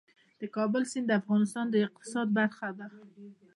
د کابل سیند د افغانستان د اقتصاد برخه ده.